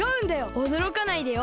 おどろかないでよ？